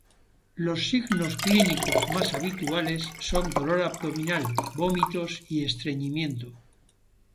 Los signos clínicos más habituales son dolor abdominal, vómitos y estreñimiento.